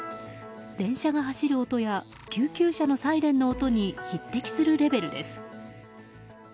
電車が走る音や救急車のサイレンの音に匹敵するレベルです。